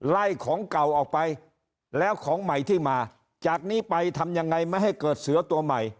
ของเก่าออกไปแล้วของใหม่ที่มาจากนี้ไปทำยังไงไม่ให้เกิดเสือตัวใหม่